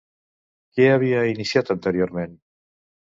Què havia iniciat anteriorment?